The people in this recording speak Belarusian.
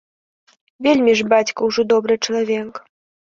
Вельмі ж бацька ўжо добры чалавек.